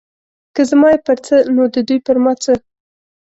که زما یې پر څه نو د دوی پر ما څه.